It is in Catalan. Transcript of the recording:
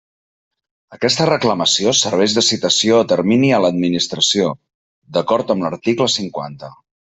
Aquesta reclamació serveix de citació a termini a l'administració, d'acord amb l'article cinquanta.